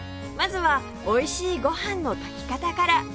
まずはおいしいご飯の炊き方から